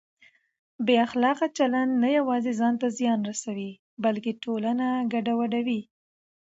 بې اخلاقه چلند نه یوازې ځان ته زیان رسوي بلکه ټولنه ګډوډوي.